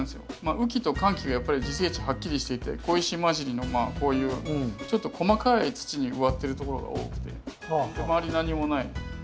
雨季と乾季がやっぱり自生地はっきりしていて小石まじりのこういうちょっと細かい土に植わってるところが多くて周り何もない。